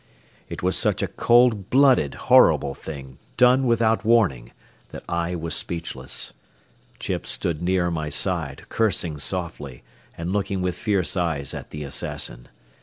It was such a cold blooded, horrible thing, done without warning, that I was speechless. Chips stood near my side, cursing softly, and looking with fierce eyes at the assassin.